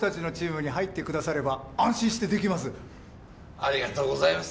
ありがとうございます。